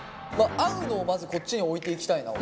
合うのをまずこっちに置いていきたいな。